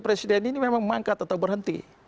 presiden ini memang mangkat atau berhenti